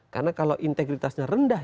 karena kalau integritasnya rendah